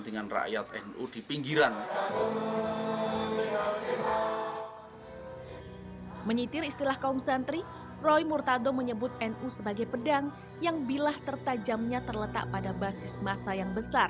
jangan lupa like share dan subscribe ya